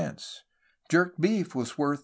Jerked beef was worth $.